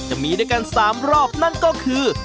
จะมีด้วยกัน๓รอบนั่นก็คือ